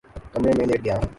کمرے میں لیٹ گیا ہوں